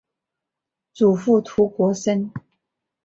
祖父涂国升。